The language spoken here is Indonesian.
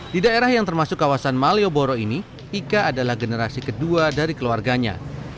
di daerah yang termasuk kawasan malioboro ini ika adalah generasi kedua dari keluarganya